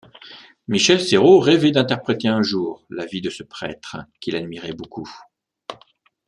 Michel Serrault rêvait d'interpréter un jour la vie de ce prêtre qu'il admirait beaucoup.